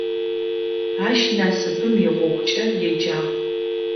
Ащ «Насыпым игъогукӏэ» еджагъ.